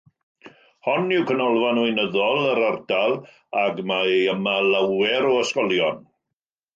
Hon yw canolfan weinyddol yr ardal ac mae yma lawer o ysgolion.